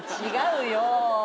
違うよ。